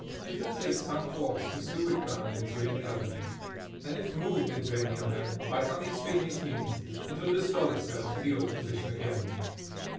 It will take some force to slew it round into any other. And if moved into any other by some extraneous means it will restore itself to the old position again.